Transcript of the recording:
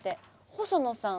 細野さん。